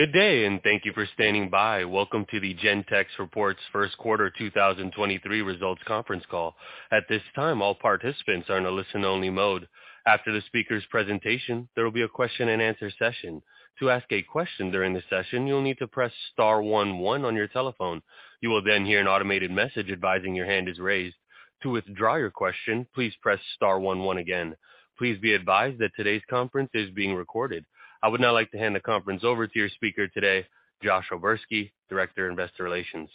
Good day, thank you for standing by. Welcome to the Gentex Reports first quarter 2023 results conference call. At this time, all participants are in a listen-only mode. After the speaker's presentation, there will be a question-and-answer session. To ask a question during the session, you'll need to press star one one on your telephone. You will hear an automated message advising your hand is raised. To withdraw your question, please press star one one again. Please be advised that today's conference is being recorded. I would now like to hand the conference over to your speaker today, Josh O'Berski, Director, Investor Relations.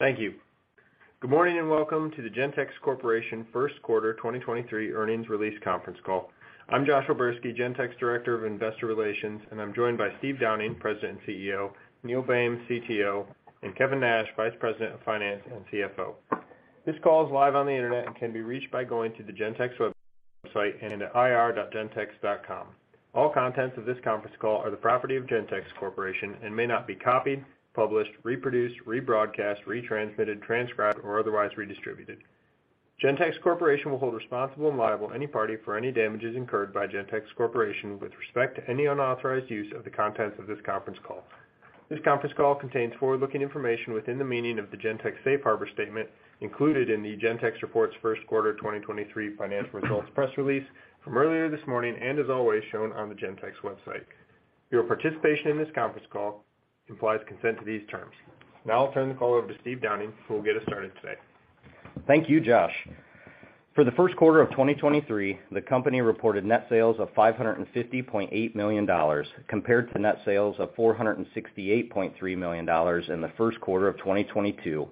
Thank you. Good morning, and welcome to the Gentex Corporation first quarter 2023 earnings release conference call. I'm Josh O'Berski, Gentex Director of Investor Relations, and I'm joined by Steve Downing, President and CEO, Neil Boehm, CTO, and Kevin Nash, Vice President of Finance and CFO. This call is live on the Internet and can be reached by going to the Gentex website in ir.gentex.com. All contents of this conference call are the property of Gentex Corporation and may not be copied, published, reproduced, rebroadcast, retransmitted, transcribed or otherwise redistributed. Gentex Corporation will hold responsible and liable any party for any damages incurred by Gentex Corporation with respect to any unauthorized use of the contents of this conference call. This conference call contains forward-looking information within the meaning of the Gentex safe harbor statement included in the Gentex Reports first quarter 2023 financial results press release from earlier this morning and as always, shown on the Gentex website. Your participation in this conference call implies consent to these terms. I'll turn the call over to Steve Downing, who will get us started today. Thank you, Josh. For the first quarter of 2023, the company reported net sales of $550.8 million compared to net sales of $468.3 million in the first quarter of 2022,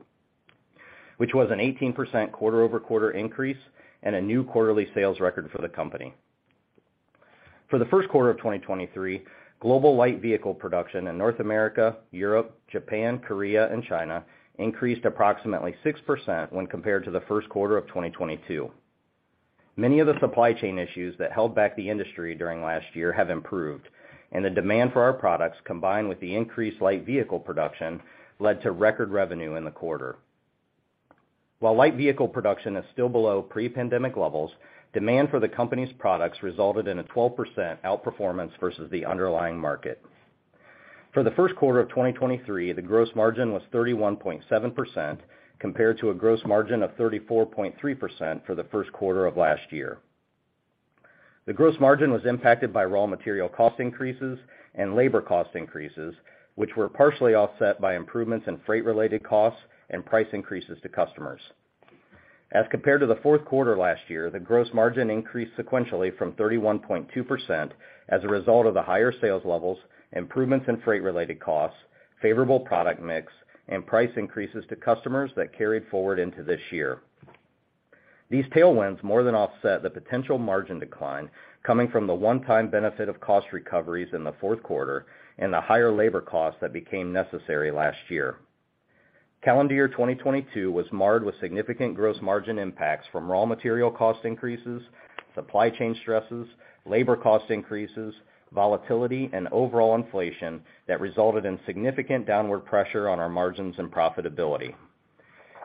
which was an 18% quarter-over-quarter increase and a new quarterly sales record for the company. For the first quarter of 2023, global light vehicle production in North America, Europe, Japan, Korea and China increased approximately 6% when compared to the first quarter of 2022. Many of the supply chain issues that held back the industry during last year have improved, the demand for our products, combined with the increased light vehicle production, led to record revenue in the quarter. While light vehicle production is still below pre-pandemic levels, demand for the company's products resulted in a 12% outperformance versus the underlying market. For the first quarter of 2023, the gross margin was 31.7% compared to a gross margin of 34.3% for the first quarter of last year. The gross margin was impacted by raw material cost increases and labor cost increases, which were partially offset by improvements in freight-related costs and price increases to customers. As compared to the fourth quarter last year, the gross margin increased sequentially from 31.2% as a result of the higher sales levels, improvements in freight-related costs, favorable product mix, and price increases to customers that carried forward into this year. These tailwinds more than offset the potential margin decline coming from the one-time benefit of cost recoveries in the fourth quarter and the higher labor costs that became necessary last year. Calendar year 2022 was marred with significant gross margin impacts from raw material cost increases, supply chain stresses, labor cost increases, volatility and overall inflation that resulted in significant downward pressure on our margins and profitability.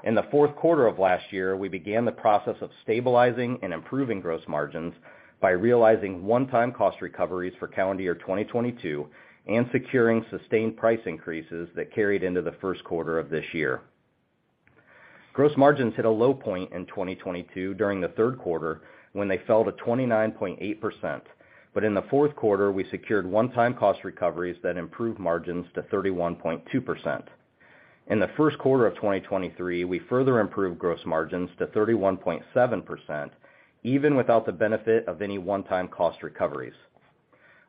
In the fourth quarter of last year, we began the process of stabilizing and improving gross margins by realizing one-time cost recoveries for calendar year 2022 and securing sustained price increases that carried into the first quarter of this year. Gross margins hit a low point in 2022 during the third quarter when they fell to 29.8%. In the fourth quarter, we secured one-time cost recoveries that improved margins to 31.2%. In the first quarter of 2023, we further improved gross margins to 31.7%, even without the benefit of any one-time cost recoveries.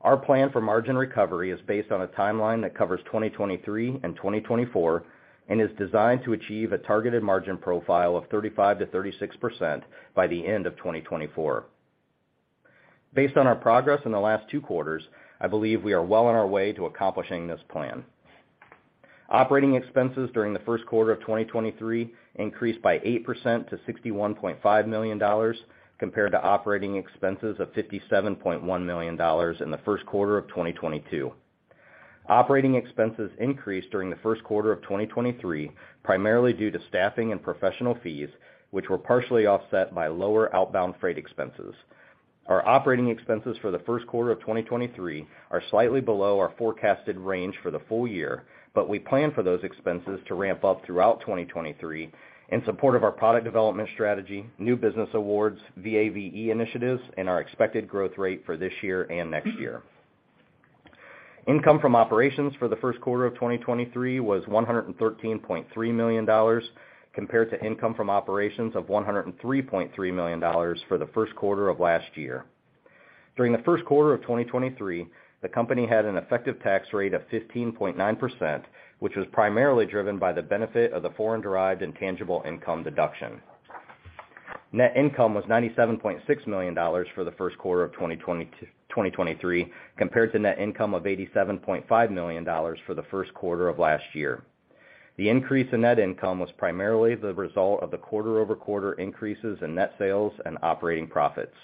Our plan for margin recovery is based on a timeline that covers 2023 and 2024 and is designed to achieve a targeted margin profile of 35%-36% by the end of 2024. Based on our progress in the last two quarters, I believe we are well on our way to accomplishing this plan. Operating expenses during the first quarter of 2023 increased by 8% to $61.5 million compared to operating expenses of $57.1 million in the first quarter of 2022. Operating expenses increased during the first quarter of 2023 primarily due to staffing and professional fees, which were partially offset by lower outbound freight expenses. Our operating expenses for the first quarter of 2023 are slightly below our forecasted range for the full year, but we plan for those expenses to ramp up throughout 2023 in support of our product development strategy, new business awards, VAVE initiatives and our expected growth rate for this year and next year. Income from operations for the first quarter of 2023 was $113.3 million compared to income from operations of $103.3 million for the first quarter of last year. During the first quarter of 2023, the company had an effective tax rate of 15.9%, which was primarily driven by the benefit of the foreign-derived intangible income deduction. Net income was $97.6 million for the first quarter of 2023 compared to net income of $87.5 million for the first quarter of last year. The increase in net income was primarily the result of the quarter-over-quarter increases in net sales and operating profits.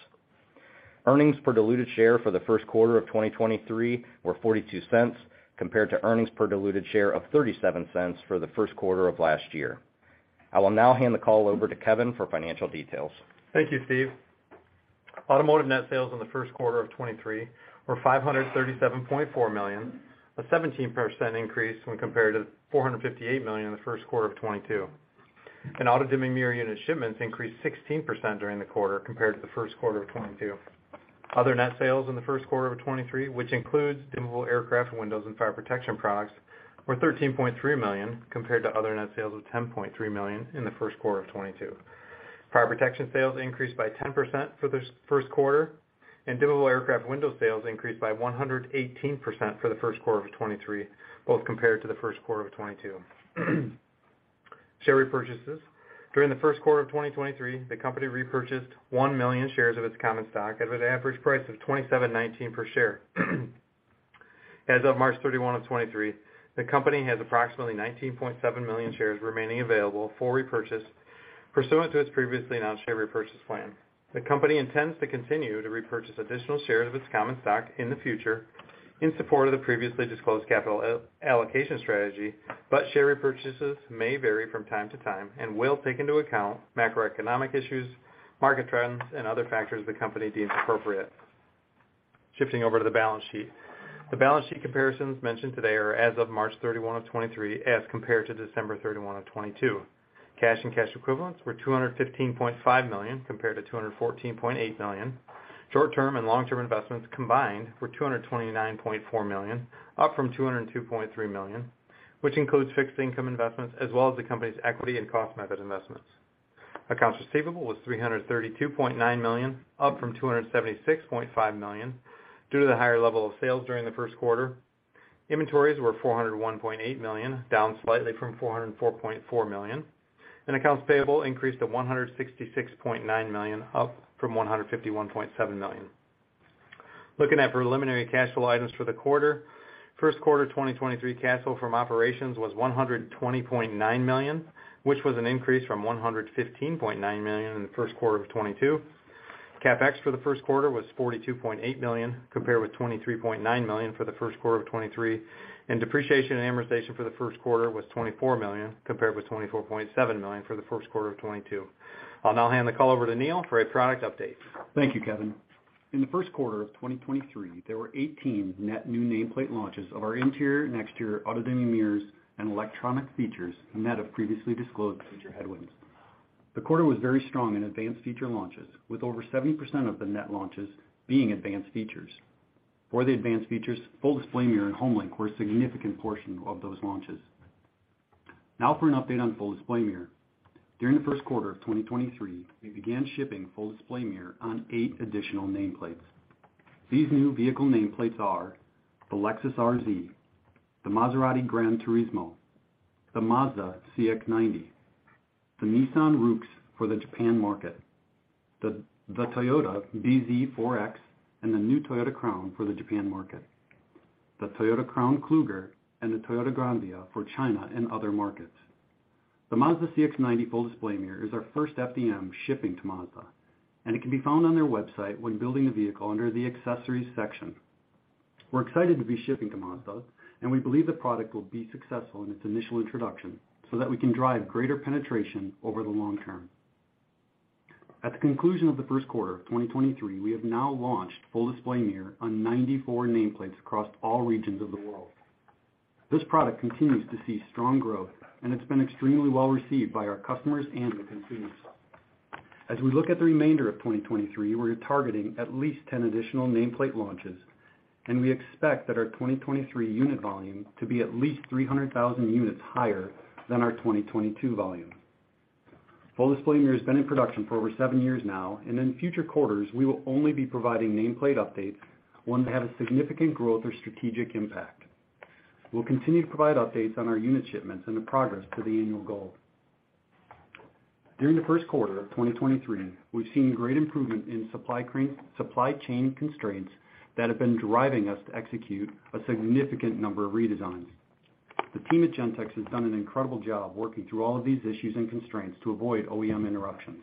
Earnings per diluted share for the first quarter of 2023 were $0.42 compared to earnings per diluted share of $0.37 for the first quarter of last year. I will now hand the call over to Kevin for financial details. Thank you, Steve. Automotive net sales in the first quarter of 2023 were $537.4 million, a 17% increase when compared to $458 million in the first quarter of 2022. Automatic-dimming mirror unit shipments increased 16% during the quarter compared to the first quarter of 2022. Other net sales in the first quarter of 2023, which includes dimmable aircraft windows and fire protection products, were $13.3 million, compared to other net sales of $10.3 million in the first quarter of 2022. Fire protection sales increased by 10% for this first quarter, and dimmable aircraft window sales increased by 118% for the first quarter of 2023, both compared to the first quarter of 2022. Share repurchases. During the first quarter of 2023, the company repurchased 1 million shares of its common stock at an average price of $27.19 per share. As of March 31, 2023, the company has approximately 19.7 million shares remaining available for repurchase pursuant to its previously announced share repurchase plan. The company intends to continue to repurchase additional shares of its common stock in the future in support of the previously disclosed capital allocation strategy. Share repurchases may vary from time to time and will take into account macroeconomic issues, market trends, and other factors the company deems appropriate. Shifting over to the balance sheet. The balance sheet comparisons mentioned today are as of March 31, 2023 as compared to December 31, 2022. Cash and cash equivalents were $215.5 million compared to $214.8 million. Short-term and long-term investments combined were $229.4 million, up from $202.3 million, which includes fixed income investments as well as the company's equity and cost method investments. Accounts receivable was $332.9 million, up from $276.5 million due to the higher level of sales during the first quarter. Inventories were $401.8 million, down slightly from $404.4 million. Accounts payable increased to $166.9 million, up from $151.7 million. Looking at preliminary cash flow items for the quarter. First quarter of 2023, cash flow from operations was $120.9 million, which was an increase from $115.9 million in the first quarter of 2022. CapEx for the first quarter was $42.8 million compared with $23.9 million for the first quarter of 2023. Depreciation and amortization for the first quarter was $24 million compared with $24.7 million for the first quarter of 2022. I'll now hand the call over to Neil for a product update. Thank you, Kevin. In the first quarter of 2023, there were 18 net new nameplate launches of our interior and exterior automatic-dimming mirrors and electronic features, net of previously disclosed feature headwinds. The quarter was very strong in advanced feature launches, with over 70% of the net launches being advanced features. For the advanced features, Full Display Mirror and HomeLink were a significant portion of those launches. For an update on Full Display Mirror. During the first quarter of 2023, we began shipping Full Display Mirror on eight additional nameplates. These new vehicle nameplates are the Lexus RZ, the Maserati GranTurismo, the Mazda CX-90, the Nissan Roox for the Japan market, the Toyota bZ4X and the new Toyota Crown for the Japan market, the Toyota Crown Kluger, and the Toyota Granvia for China and other markets. The Mazda CX-90 Full Display Mirror is our first FDM shipping to Mazda. It can be found on their website when building a vehicle under the accessories section. We're excited to be shipping to Mazda, and we believe the product will be successful in its initial introduction, so that we can drive greater penetration over the long term. At the conclusion of the first quarter of 2023, we have now launched Full Display Mirror on 94 nameplates across all regions of the world. This product continues to see strong growth, and it's been extremely well-received by our customers and the consumers. As we look at the remainder of 2023, we're targeting at least 10 additional nameplate launches, and we expect that our 2023 unit volume to be at least 300,000 units higher than our 2022 volume. Full Display Mirror has been in production for over seven years now, and in future quarters, we will only be providing nameplate updates when they have a significant growth or strategic impact. We'll continue to provide updates on our unit shipments and the progress to the annual goal. During the first quarter of 2023, we've seen great improvement in supply chain constraints that have been driving us to execute a significant number of redesigns. The team at Gentex has done an incredible job working through all of these issues and constraints to avoid OEM interruptions.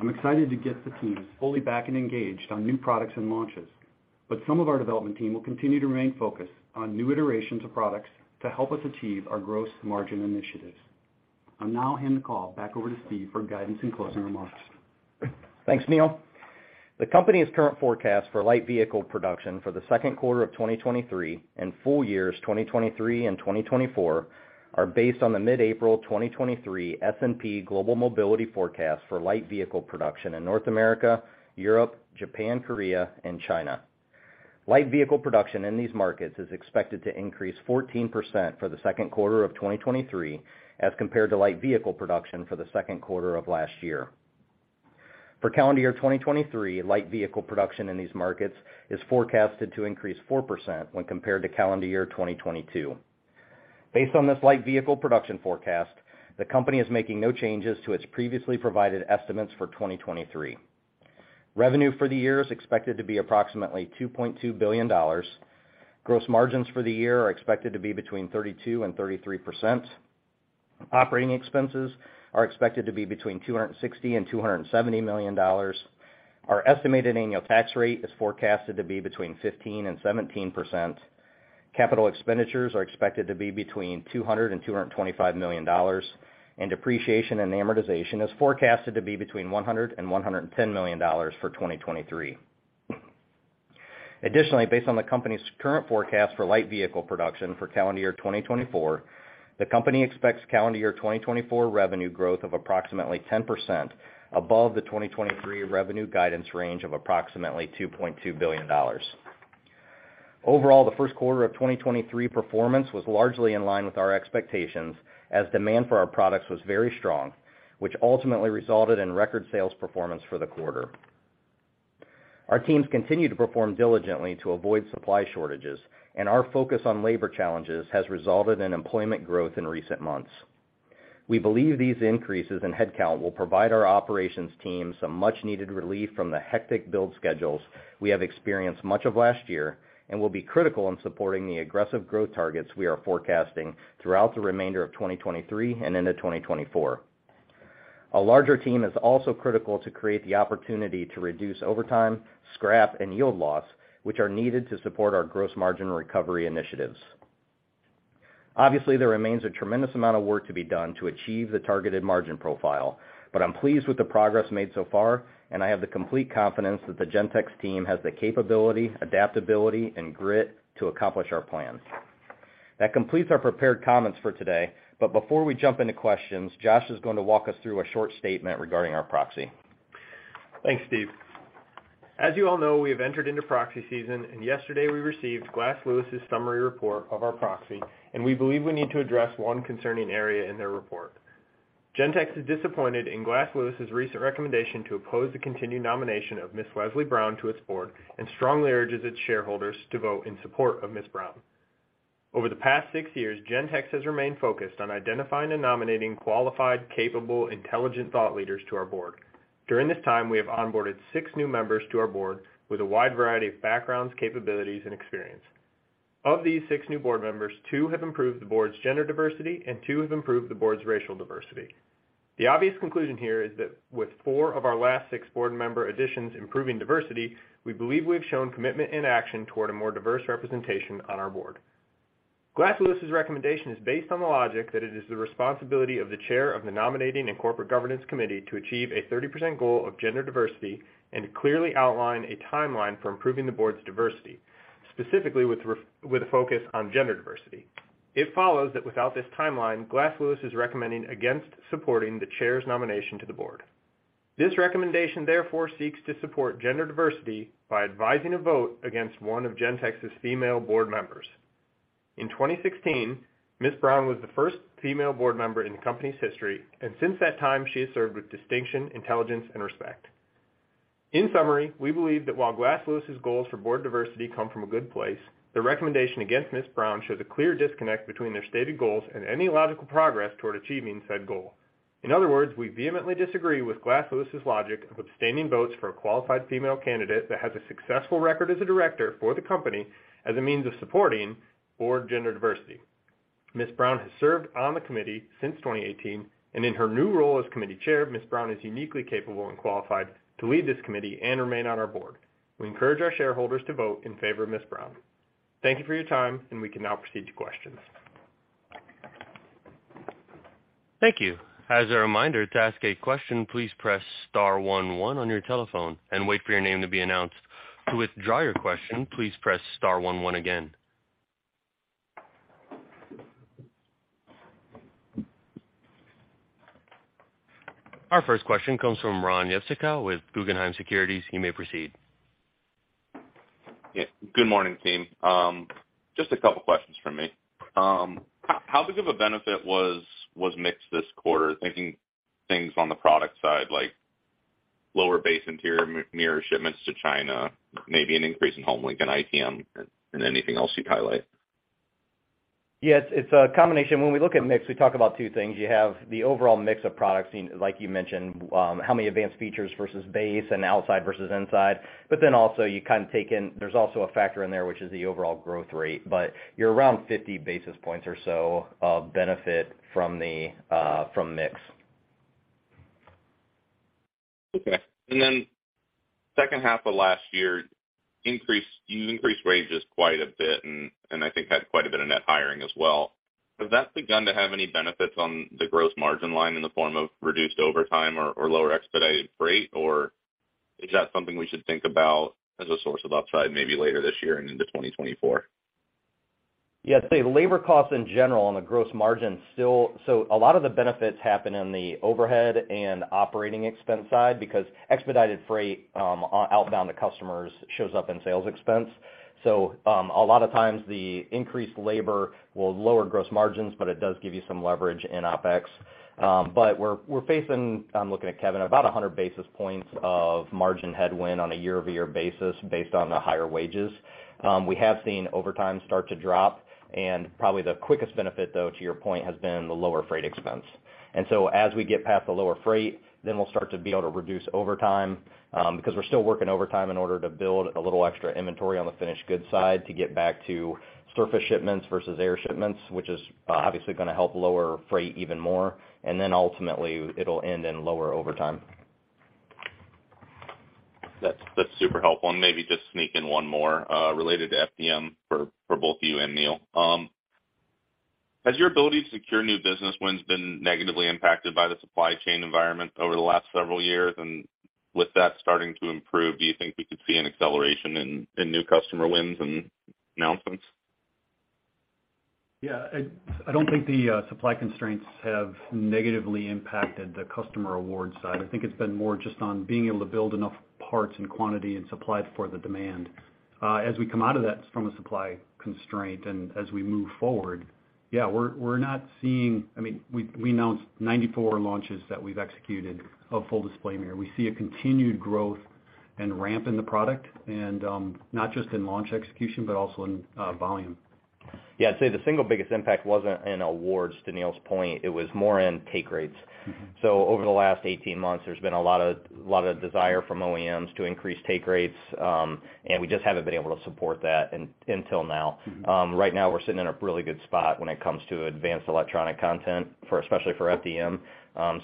I'm excited to get the teams fully back and engaged on new products and launches, but some of our development team will continue to remain focused on new iterations of products to help us achieve our gross margin initiatives. I'll now hand the call back over to Steve for guidance and closing remarks. Thanks, Neil. The company's current forecast for light vehicle production for the second quarter of 2023 and full years 2023 and 2024 are based on the mid-April 2023 S&P Global Mobility forecast for light vehicle production in North America, Europe, Japan, Korea, and China. Light vehicle production in these markets is expected to increase 14% for the second quarter of 2023 as compared to light vehicle production for the second quarter of last year. For calendar year 2023, light vehicle production in these markets is forecasted to increase 4% when compared to calendar year 2022. Based on this light vehicle production forecast, the company is making no changes to its previously provided estimates for 2023. Revenue for the year is expected to be approximately $2.2 billion. Gross margins for the year are expected to be between 32% and 33%. Operating expenses are expected to be between $260 million and $270 million. Our estimated annual tax rate is forecasted to be between 15% and 17%. Capital expenditures are expected to be between $200 million and $225 million, and depreciation and amortization is forecasted to be between $100 million and $110 million for 2023. Additionally, based on the company's current forecast for light vehicle production for calendar year 2024, the company expects calendar year 2024 revenue growth of approximately 10% above the 2023 revenue guidance range of approximately $2.2 billion. Overall, the first quarter of 2023 performance was largely in line with our expectations as demand for our products was very strong, which ultimately resulted in record sales performance for the quarter. Our teams continue to perform diligently to avoid supply shortages. Our focus on labor challenges has resulted in employment growth in recent months. We believe these increases in headcount will provide our operations team some much-needed relief from the hectic build schedules we have experienced much of last year and will be critical in supporting the aggressive growth targets we are forecasting throughout the remainder of 2023 and into 2024. A larger team is also critical to create the opportunity to reduce overtime, scrap, and yield loss, which are needed to support our gross margin recovery initiatives. There remains a tremendous amount of work to be done to achieve the targeted margin profile. I'm pleased with the progress made so far. I have the complete confidence that the Gentex team has the capability, adaptability, and grit to accomplish our plans. That completes our prepared comments for today. Before we jump into questions, Josh is going to walk us through a short statement regarding our proxy. Thanks, Steve. As you all know, we have entered into proxy season, and yesterday we received Glass Lewis's summary report of our proxy, and we believe we need to address one concerning area in their report. Gentex is disappointed in Glass Lewis's recent recommendation to oppose the continued nomination of Ms. Leslie Brown to its board and strongly urges its shareholders to vote in support of Ms. Brown. Over the past six years, Gentex has remained focused on identifying and nominating qualified, capable, intelligent thought leaders to our board. During this time, we have onboarded six new members to our board with a wide variety of backgrounds, capabilities, and experience. Of these six new board members, two have improved the board's gender diversity and two have improved the board's racial diversity. The obvious conclusion here is that with four of our last six board member additions improving diversity, we believe we have shown commitment in action toward a more diverse representation on our board. Glass Lewis's recommendation is based on the logic that it is the responsibility of the chair of the Nominating and Corporate Governance Committee to achieve a 30% goal of gender diversity and clearly outline a timeline for improving the board's diversity, specifically with a focus on gender diversity. It follows that without this timeline, Glass Lewis is recommending against supporting the chair's nomination to the board. This recommendation, therefore, seeks to support gender diversity by advising a vote against one of Gentex's female board members. In 2016, Ms. Brown was the first female board member in the company's history, and since that time, she has served with distinction, intelligence, and respect. In summary, we believe that while Glass Lewis's goals for board diversity come from a good place, the recommendation against Ms. Brown shows a clear disconnect between their stated goals and any logical progress toward achieving said goal. In other words, we vehemently disagree with Glass Lewis's logic of abstaining votes for a qualified female candidate that has a successful record as a director for the company as a means of supporting board gender diversity. Ms. Brown has served on the committee since 2018, and in her new role as committee chair, Ms. Brown is uniquely capable and qualified to lead this committee and remain on our board. We encourage our shareholders to vote in favor of Ms. Brown. Thank you for your time, and we can now proceed to questions. Thank you. As a reminder to ask a question, please press star one one on your telephone and wait for your name to be announced. To withdraw your question, please press star one one again. Our first question comes from Ron Jewsikow with Guggenheim Securities. He may proceed. Yeah. Good morning, team. just a couple questions from me. how big of a benefit was mix this quarter? Thinking things on the product side, like lower base interior mirror shipments to China, maybe an increase in HomeLink and ITM and anything else you'd highlight. Yeah, it's a combination. When we look at mix, we talk about two things. You have the overall mix of products, you know, like you mentioned, how many advanced features versus base and outside versus inside. Also you kind of take in, there's also a factor in there, which is the overall growth rate, but you're around 50 basis points or so of benefit from the mix. Okay. Second half of last year you increased wages quite a bit and I think had quite a bit of net hiring as well. Has that begun to have any benefits on the gross margin line in the form of reduced overtime or lower expedited freight? Is that something we should think about as a source of upside maybe later this year and into 2024? Yeah, I'd say labor costs in general on the gross margin still. A lot of the benefits happen in the overhead and operating expense side because expedited freight, outbound to customers shows up in sales expense. A lot of times the increased labor will lower gross margins, but it does give you some leverage in OpEx. We're, we're facing, I'm looking at Kevin, about 100 basis points of margin headwind on a year-over-year basis based on the higher wages. We have seen overtime start to drop, probably the quickest benefit, though, to your point, has been the lower freight expense. As we get past the lower freight, then we'll start to be able to reduce overtime, because we're still working overtime in order to build a little extra inventory on the finished goods side to get back to surface shipments versus air shipments, which is obviously going to help lower freight even more. Ultimately, it'll end in lower overtime. That's super helpful. Maybe just sneak in one more, related to FDM for both you and Neil. Has your ability to secure new business wins been negatively impacted by the supply chain environment over the last several years? With that starting to improve, do you think we could see an acceleration in new customer wins and announcements? I don't think the supply constraints have negatively impacted the customer award side. I think it's been more just on being able to build enough parts and quantity and supply for the demand. As we come out of that from a supply constraint and as we move forward, we're not seeing. I mean, we announced 94 launches that we've executed of Full Display Mirror. We see a continued growth and ramp in the product and not just in launch execution but also in volume. Yeah, I'd say the single biggest impact wasn't in awards, to Neil's point. It was more in take rates. Mm-hmm. Over the last 18 months, there's been a lot of desire from OEMs to increase take rates, and we just haven't been able to support that until now. Mm-hmm. Right now we're sitting in a really good spot when it comes to advanced electronic content for, especially for FDM.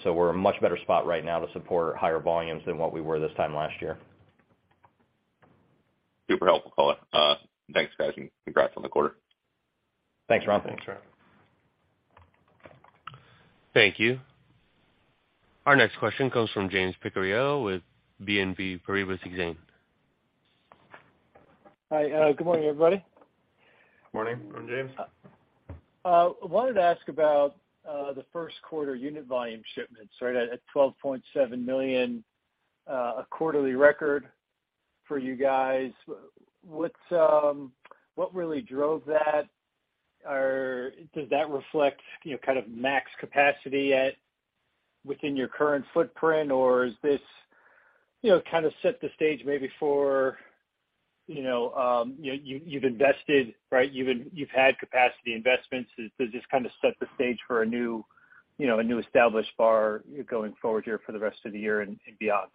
We're in a much better spot right now to support higher volumes than what we were this time last year. Super helpful call. Thanks, guys. Congrats on the quarter. Thanks, Ron. Thanks, Ron. Thank you. Our next question comes from James Picariello with BNP Paribas Exane. Hi. Good morning, everybody. Morning. Morning, James. wanted to ask about, the first quarter unit volume shipments, right at $12.7 million, a quarterly record for you guys. What's what really drove that? Or does that reflect, you know, kind of max capacity at within your current footprint? Or is this, you know, kind of set the stage maybe for, you know, you've invested, right? You've had capacity investments. Does this kind of set the stage for a new, you know, a new established bar going forward here for the rest of the year and beyond?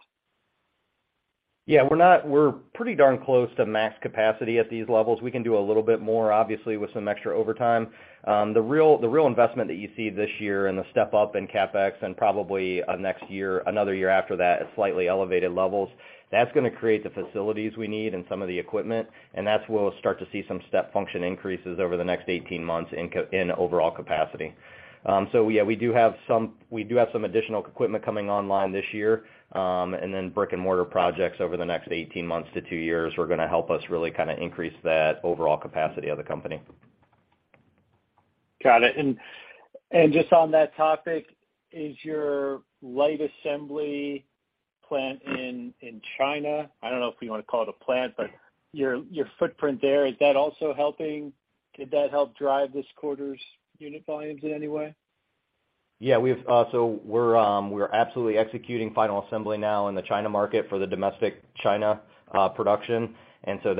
Yeah. We're pretty darn close to max capacity at these levels. We can do a little bit more, obviously, with some extra overtime. The real, the real investment that you see this year and the step-up in CapEx and probably next year, another year after that at slightly elevated levels, that's gonna create the facilities we need and some of the equipment, and that's where we'll start to see some step function increases over the next 18 months in overall capacity. Yeah, we do have some, we do have some additional equipment coming online this year, and then brick-and-mortar projects over the next 18 months to two years are gonna help us really kind of increase that overall capacity of the company. Got it. Just on that topic, is your light assembly plant in China? I don't know if you wanna call it a plant, but your footprint there, is that also helping? Did that help drive this quarter's unit volumes in any way? We've, so we're absolutely executing final assembly now in the China market for the domestic China production. That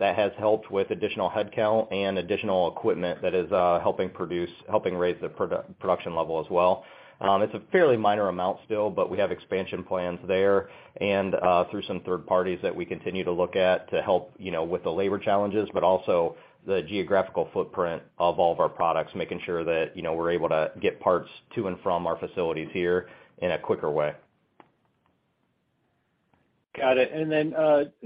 has helped with additional headcount and additional equipment that is helping produce, helping raise the production level as well. It's a fairly minor amount still, but we have expansion plans there and through some third parties that we continue to look at to help, you know, with the labor challenges, but also the geographical footprint of all of our products, making sure that, you know, we're able to get parts to and from our facilities here in a quicker way. Got it. Then,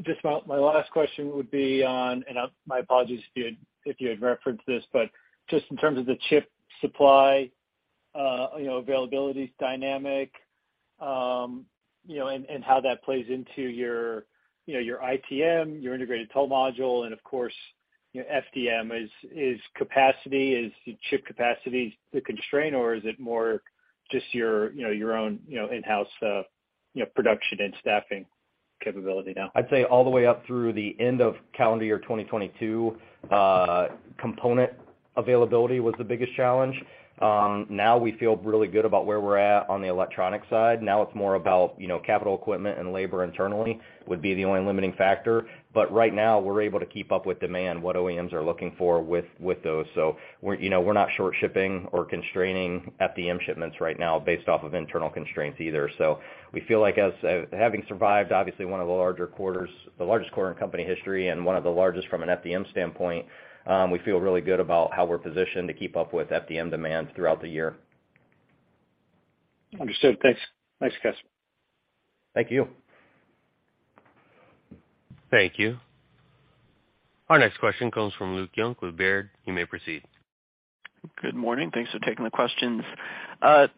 just my last question would be on, my apologies if you had referenced this, but just in terms of the chip supply, you know, availability dynamic, you know, and how that plays into your, you know, your ITM, your Integrated Toll Module, and of course, your FDM. Is capacity, is the chip capacity the constraint or is it more just your, you know, your own, you know, in-house, you know, production and staffing capability now? I'd say all the way up through the end of calendar year 2022, component availability was the biggest challenge. Now we feel really good about where we're at on the electronic side. Now it's more about, you know, capital equipment and labor internally would be the only limiting factor. Right now we're able to keep up with demand, what OEMs are looking for with those. We're, you know, we're not short-shipping or constraining FDM shipments right now based off of internal constraints either. We feel like as having survived obviously one of the larger quarters, the largest quarter in company history and one of the largest from an FDM standpoint, we feel really good about how we're positioned to keep up with FDM demands throughout the year. Understood. Thanks. Thanks, guys. Thank you. Thank you. Our next question comes from Luke Junk with Baird. You may proceed. Good morning. Thanks for taking the questions. To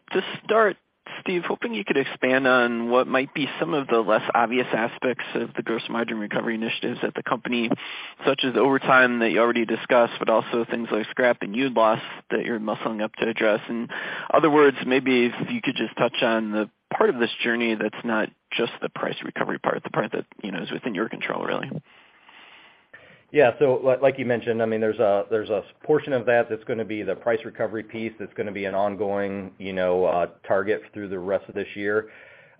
start, Steve, hoping you could expand on what might be some of the less obvious aspects of the gross margin recovery initiatives at the company, such as overtime that you already discussed, but also things like scrap and unit loss that you're muscling up to address. In other words, maybe if you could just touch on the part of this journey that's not just the price recovery part, the part that, you know, is within your control really. Yeah. Like you mentioned, I mean, there's a, there's a portion of that that's gonna be the price recovery piece that's gonna be an ongoing, you know, target through the rest of this year.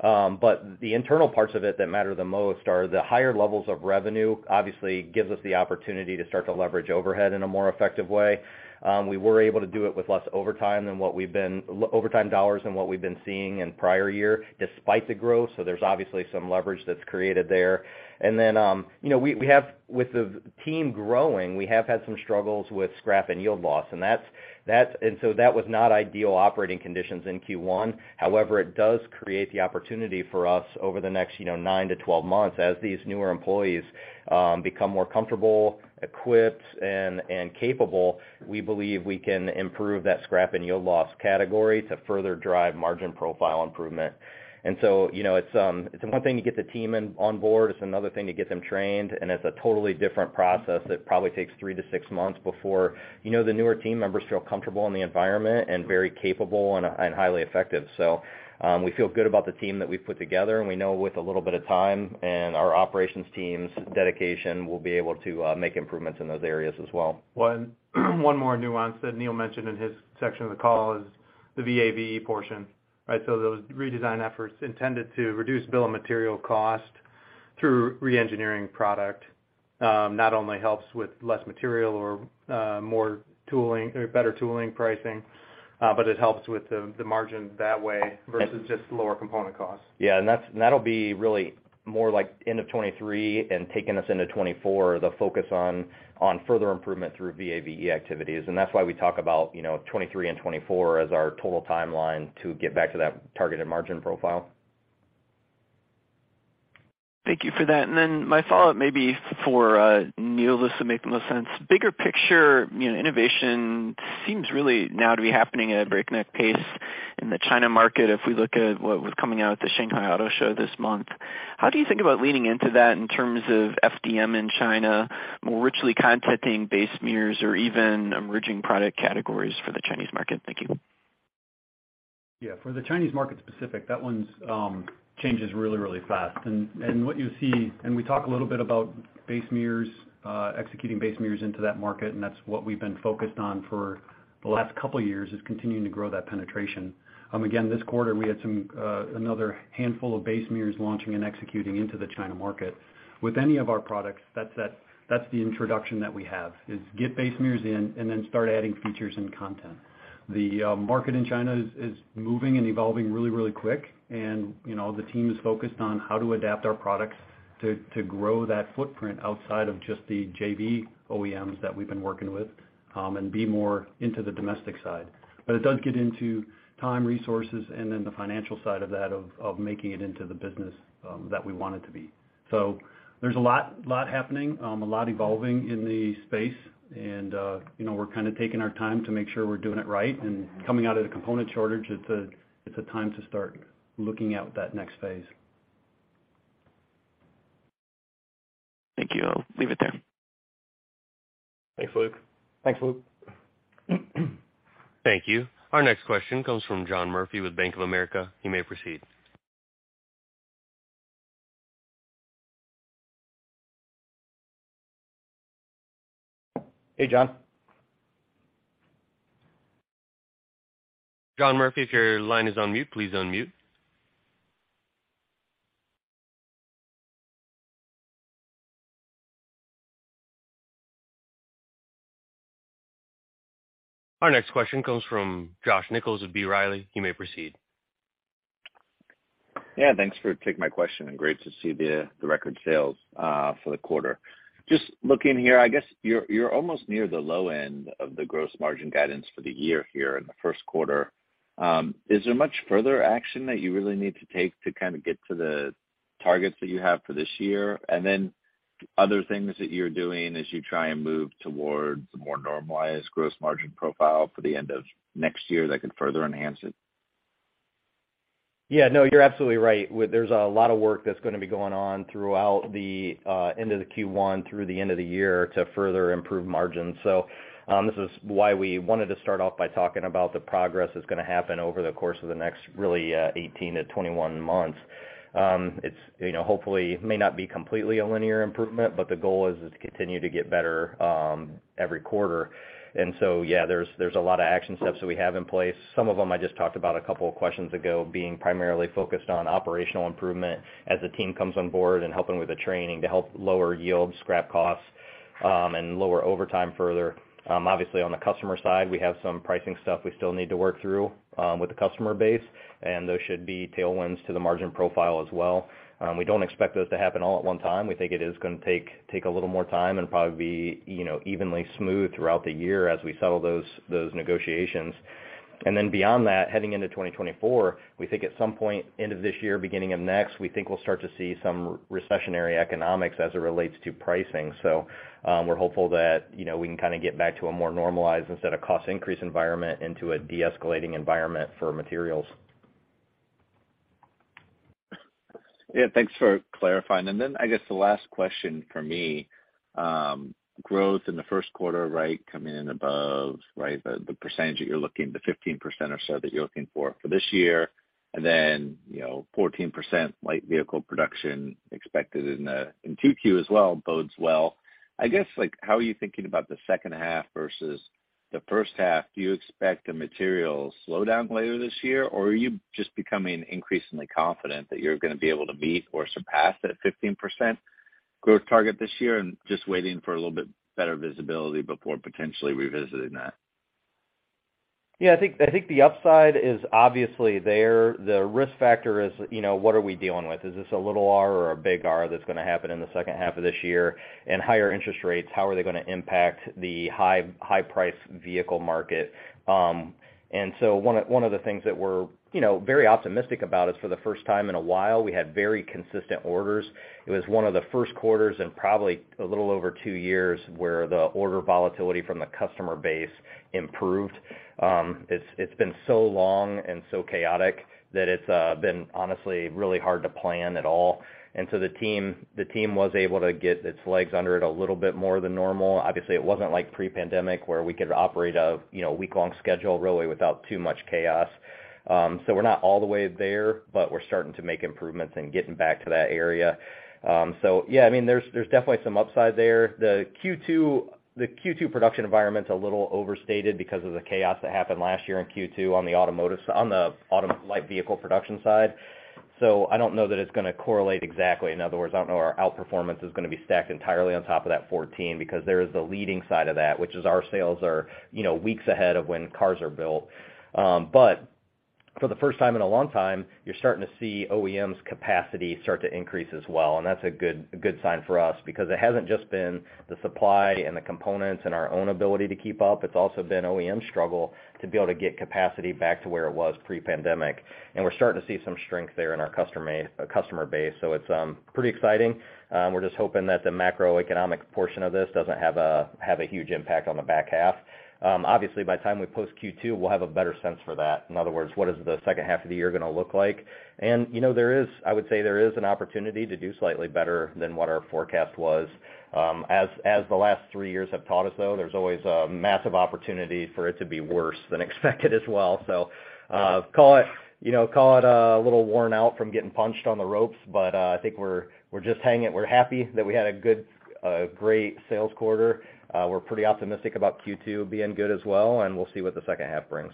The internal parts of it that matter the most are the higher levels of revenue obviously gives us the opportunity to start to leverage overhead in a more effective way. We were able to do it with less overtime than what we've been overtime dollars than what we've been seeing in prior year despite the growth. There's obviously some leverage that's created there. Then, you know, with the team growing, we have had some struggles with scrap and yield loss, and that's that was not ideal operating conditions in Q1. However, it does create the opportunity for us over the next, you know, nine to 12 months as these newer employees become more comfortable, equipped, and capable, we believe we can improve that scrap and yield loss category to further drive margin profile improvement. You know, it's one thing to get the team on board, it's another thing to get them trained, and it's a totally different process that probably takes three to six months before, you know, the newer team members feel comfortable in the environment and very capable and highly effective. We feel good about the team that we've put together, and we know with a little bit of time and our operations team's dedication, we'll be able to make improvements in those areas as well. One more nuance that Neil mentioned in his section of the call is the VAVE portion, right? Those redesign efforts intended to reduce bill of material cost through re-engineering product, not only helps with less material or more tooling or better tooling pricing, but it helps with the margin that way versus just lower component costs. Yeah. That'll be really more like end of 2023 and taking us into 2024, the focus on further improvement through VAVE activities. That's why we talk about, you know, 2023 and 2024 as our total timeline to get back to that targeted margin profile. Thank you for that. My follow-up may be for Neil, this will make the most sense. Bigger picture, you know, innovation seems really now to be happening at a breakneck pace in the China market if we look at what was coming out at the Shanghai Auto Show this month. How do you think about leaning into that in terms of FDM in China, more richly contenting base mirrors or even emerging product categories for the Chinese market? Thank you. Yeah. For the Chinese market specific, that one's changes really, really fast. What you see, and we talk a little bit about base mirrors, executing base mirrors into that market, and that's what we've been focused on for the last couple of years, is continuing to grow that penetration. Again, this quarter, we had some another handful of base mirrors launching and executing into the China market. With any of our products, that's the introduction that we have, is get base mirrors in and then start adding features and content. The market in China is moving and evolving really, really quick. You know, the team is focused on how to adapt our products to grow that footprint outside of just the JV OEMs that we've been working with, and be more into the domestic side. It does get into time, resources, and then the financial side of that, of making it into the business that we want it to be. There's a lot happening, a lot evolving in the space, and, you know, we're kind of taking our time to make sure we're doing it right. Coming out of the component shortage, it's a time to start looking at that next phase. Thank you. I'll leave it there. Thanks, Luke. Thanks, Luke. Thank you. Our next question comes from John Murphy with Bank of America. You may proceed. Hey, John. John Murphy, if your line is on mute, please unmute. Our next question comes from Josh Nichols with B. Riley. You may proceed. Yeah, thanks for taking my question, great to see the record sales for the quarter. Just looking here, I guess you're almost near the low end of the gross margin guidance for the year here in the first quarter. Is there much further action that you really need to take to kind of get to the targets that you have for this year? Other things that you're doing as you try and move towards a more normalized gross margin profile for the end of next year that could further enhance it? Yeah, no, you're absolutely right. There's a lot of work that's gonna be going on throughout the end of the Q1 through the end of the year to further improve margins. This is why we wanted to start off by talking about the progress that's gonna happen over the course of the next really 18 to 21 months. It's, you know, hopefully may not be completely a linear improvement, but the goal is to continue to get better every quarter. Yeah, there's a lot of action steps that we have in place. Some of them I just talked about a couple of questions ago, being primarily focused on operational improvement as the team comes on board and helping with the training to help lower yield, scrap costs, and lower overtime further. Obviously on the customer side, we have some pricing stuff we still need to work through with the customer base, and those should be tailwinds to the margin profile as well. We don't expect those to happen all at one time. We think it is gonna take a little more time and probably be, you know, evenly smooth throughout the year as we settle those negotiations. Beyond that, heading into 2024, we think at some point end of this year, beginning of next, we think we'll start to see some recessionary economics as it relates to pricing. We're hopeful that, you know, we can kind of get back to a more normalized instead of cost increase environment into a deescalating environment for materials. Yeah, thanks for clarifying. I guess the last question for me, growth in the first quarter, right? Coming in above, right, the percentage that you're looking, the 15% or so that you're looking for for this year. You know, 14% light vehicle production expected in 2Q as well bodes well. I guess, like, how are you thinking about the second half versus the first half? Do you expect a material slowdown later this year? Are you just becoming increasingly confident that you're gonna be able to meet or surpass that 15% growth target this year and just waiting for a little bit better visibility before potentially revisiting that? I think the upside is obviously there. The risk factor is, you know, what are we dealing with? Is this a little R or a big R that's gonna happen in the second half of this year? Higher interest rates, how are they gonna impact the high price vehicle market? One of the things that we're, you know, very optimistic about is for the first time in a while, we had very consistent orders. It was one of the first quarters in probably a little over two years where the order volatility from the customer base improved. It's been so long and so chaotic that it's been honestly really hard to plan at all. The team was able to get its legs under it a little bit more than normal. Obviously, it wasn't like pre-pandemic where we could operate a, you know, week-long schedule really without too much chaos. We're not all the way there, but we're starting to make improvements and getting back to that area. Yeah, I mean, there's definitely some upside there. The Q2 production environment's a little overstated because of the chaos that happened last year in Q2 on the auto-light vehicle production side. I don't know that it's gonna correlate exactly. In other words, I don't know our outperformance is gonna be stacked entirely on top of that 14 because there is the leading side of that, which is our sales are, you know, weeks ahead of when cars are built. For the first time in a long time, you're starting to see OEMs capacity start to increase as well, and that's a good sign for us because it hasn't just been the supply and the components and our own ability to keep up, it's also been OEM struggle to be able to get capacity back to where it was pre-pandemic. We're starting to see some strength there in our customer base. It's pretty exciting. We're just hoping that the macroeconomic portion of this doesn't have a huge impact on the back half. Obviously by the time we post Q2, we'll have a better sense for that. In other words, what is the second half of the year gonna look like? You know, there is, I would say, there is an opportunity to do slightly better than what our forecast was. As the last three years have taught us, though, there's always a massive opportunity for it to be worse than expected as well. Call it, you know, call it a little worn out from getting punched on the ropes, but I think we're just hanging. We're happy that we had a great sales quarter. We're pretty optimistic about Q2 being good as well, and we'll see what the second half brings.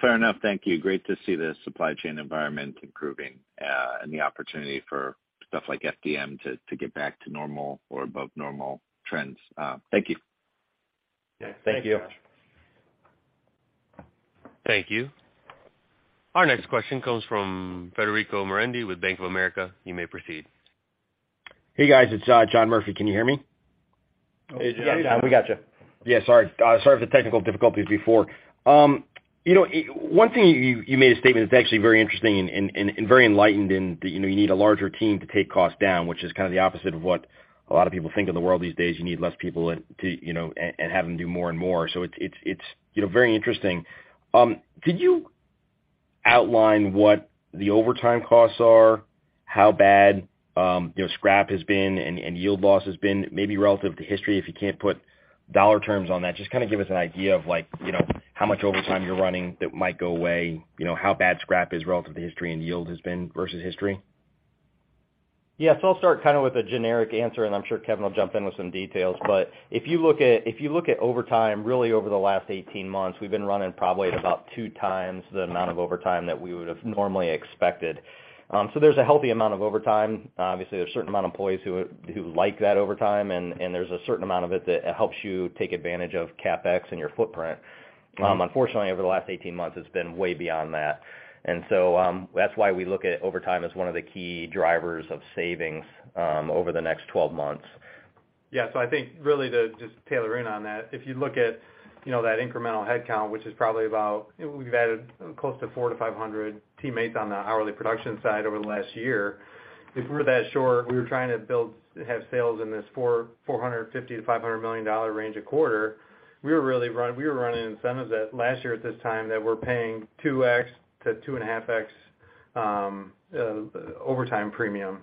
Fair enough. Thank you. Great to see the supply chain environment improving, and the opportunity for stuff like FDM to get back to normal or above normal trends. Thank you. Yeah. Thank you. Thanks, Josh. Thank you. Our next question comes from Federico Merendi with Bank of America. You may proceed. Hey, guys, it's John Murphy. Can you hear me? Yeah. Yeah, John, we got you. Yeah, sorry. Sorry for the technical difficulties before. You know, one thing you made a statement that's actually very interesting and very enlightened in that, you know, you need a larger team to take costs down, which is kind of the opposite of what a lot of people think of the world these days. You need less people to, you know, and have them do more and more. It's, you know, very interesting. Could you outline what the overtime costs are, how bad, you know, scrap has been and yield loss has been, maybe relative to history, if you can't put dollar terms on that? Just kinda give us an idea of like, you know, how much overtime you're running that might go away, you know, how bad scrap is relative to history and yield has been versus history. Yeah. I'll start kind of with a generic answer, and I'm sure Kevin will jump in with some details. If you look at, if you look at overtime, really over the last 18 months, we've been running probably at about 2x the amount of overtime that we would have normally expected. There's a healthy amount of overtime. Obviously, there's a certain amount of employees who would, who like that overtime, and there's a certain amount of it that helps you take advantage of CapEx and your footprint. Unfortunately, over the last 18 months, it's been way beyond that. That's why we look at overtime as one of the key drivers of savings over the next 12 months. Yeah. I think really to just tailor in on that, if you look at that incremental headcount, which is probably about we've added close to 400-500 teammates on the hourly production side over the last year. If we're that short, we were trying to have sales in this $450 million-$500 million range a quarter, we were running incentives at last year at this time that we're paying 2x-2.5x overtime premium.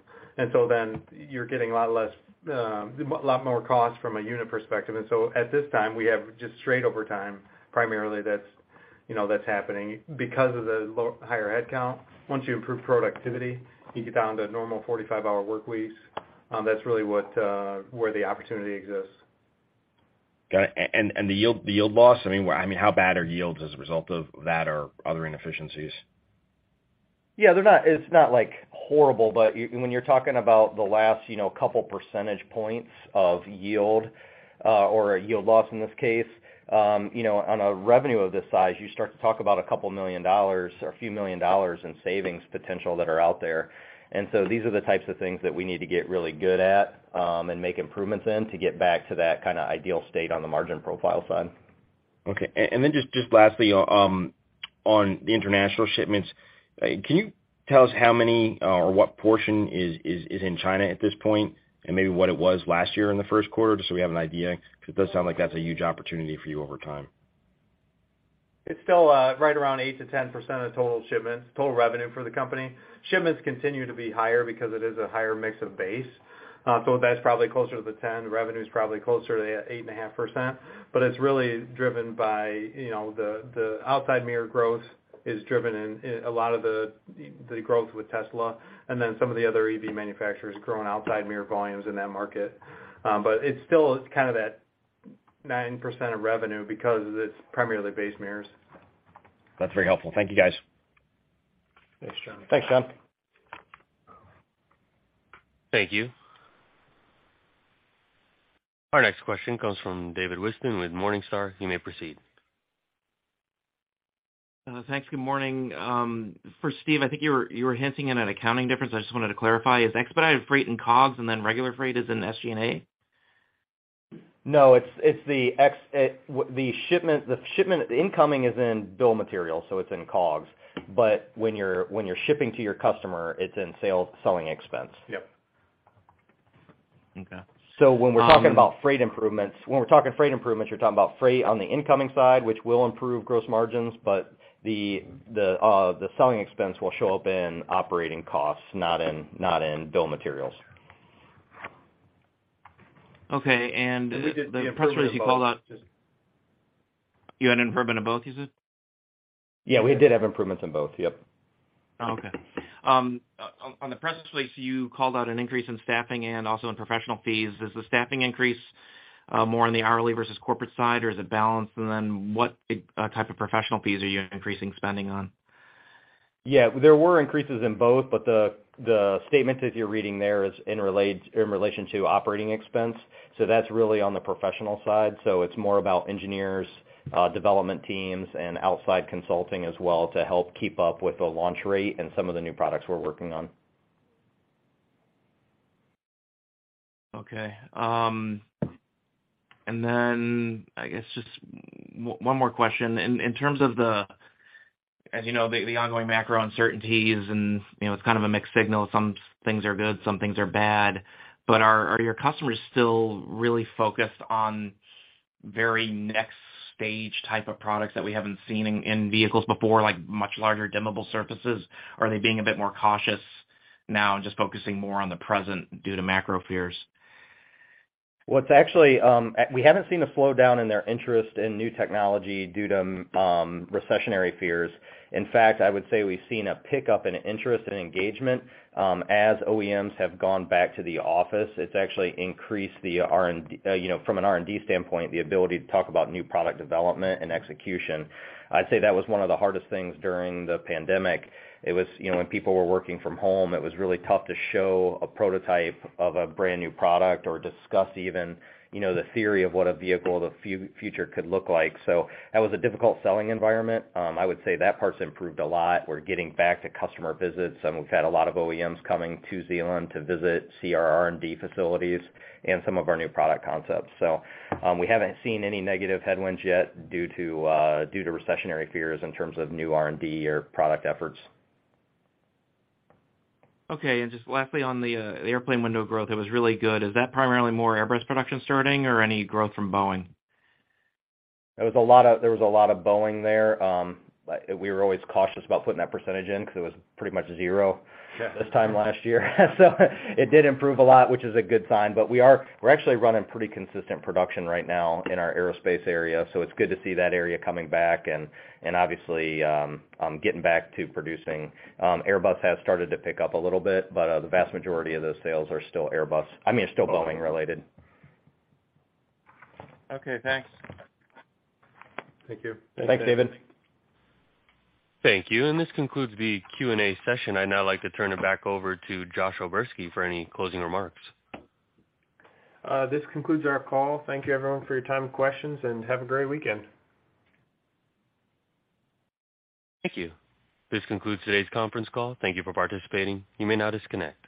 you're getting a lot less, a lot more costs from a unit perspective. At this time, we have just straight overtime, primarily that's happening because of the higher headcount. Once you improve productivity, you get down to normal 45 hour work weeks, that's really what where the opportunity exists. Got it. The yield loss, I mean, where, I mean, how bad are yields as a result of that or other inefficiencies? Yeah, they're not, it's not like horrible, but when you're talking about the last, you know, couple percentage points of yield, or yield loss in this case, you know, on a revenue of this size, you start to talk about a couple million dollars or a few million dollars in savings potential that are out there. These are the types of things that we need to get really good at, and make improvements in to get back to that kinda ideal state on the margin profile side. Okay. Just lastly, on the international shipments, can you tell us how many or what portion is in China at this point and maybe what it was last year in the first quarter, just so we have an idea? It does sound like that's a huge opportunity for you over time. It's still right around 8%-10% of total shipments, total revenue for the company. Shipments continue to be higher because it is a higher mix of base. That's probably closer to the 10%. Revenue is probably closer to 8.5%. It's really driven by the outside mirror growth is driven in a lot of the growth with Tesla and then some of the other EV manufacturers growing outside mirror volumes in that market. It's still kind of that 9% of revenue because it's primarily base mirrors. That's very helpful. Thank you, guys. Thanks, John. Thanks, John. Thank you. Our next question comes from David Whiston with Morningstar. You may proceed. Thanks. Good morning. For Steve, I think you were hinting at an accounting difference. I just wanted to clarify. Is expedited freight in COGS and then regular freight is in SG&A? No, it's the shipment, the incoming is in bill of materials, so it's in COGS. When you're, when you're shipping to your customer, it's in sales selling expense. Yep. Okay. When we're talking about freight improvements, when we're talking freight improvements, you're talking about freight on the incoming side, which will improve gross margins, but the selling expense will show up in operating costs, not in bill of materials. Okay. the press release you called out... We did the improvement in both. You had an improvement in both, you said? Yeah, we did have improvements in both. Yep. Okay. On the press release, you called out an increase in staffing and also in professional fees. Is the staffing increase more on the hourly versus corporate side, or is it balanced? Then what type of professional fees are you increasing spending on? Yeah. There were increases in both. The statement that you're reading there is in relation to operating expense. That's really on the professional side. It's more about engineers, development teams, and outside consulting as well to help keep up with the launch rate and some of the new products we're working on. I guess just one more question. In terms of the, as you know, the ongoing macro uncertainties and, you know, it's kind of a mixed signal. Some things are good, some things are bad. Are your customers still really focused on very next stage type of products that we haven't seen in vehicles before, like much larger dimmable surfaces? Or are they being a bit more cautious now and just focusing more on the present due to macro fears? What's actually, we haven't seen a slowdown in their interest in new technology due to recessionary fears. In fact, I would say we've seen a pickup in interest and engagement, as OEMs have gone back to the office. It's actually increased the R&D, you know, from an R&D standpoint, the ability to talk about new product development and execution. I'd say that was one of the hardest things during the pandemic. It was, you know, when people were working from home, it was really tough to show a prototype of a brand-new product or discuss even, you know, the theory of what a vehicle of the future could look like. That was a difficult selling environment. I would say that part's improved a lot. We're getting back to customer visits, and we've had a lot of OEMs coming to Zeeland to visit, see our R&D facilities and some of our new product concepts. We haven't seen any negative headwinds yet due to recessionary fears in terms of new R&D or product efforts. Okay. Just lastly, on the airplane window growth, it was really good. Is that primarily more Airbus production starting or any growth from Boeing? It was a lot of Boeing there. We were always cautious about putting that percentage in because it was pretty much zero. Yeah. this time last year. It did improve a lot, which is a good sign. We're actually running pretty consistent production right now in our aerospace area, it's good to see that area coming back and obviously, getting back to producing. Airbus has started to pick up a little bit, the vast majority of those sales are I mean, still Boeing related. Okay, thanks. Thank you. Thanks, David. Thank you. This concludes the Q&A session. I'd now like to turn it back over to Josh O'Berski for any closing remarks. This concludes our call. Thank you, everyone, for your time and questions. Have a great weekend. Thank you. This concludes today's conference call. Thank you for participating. You may now disconnect.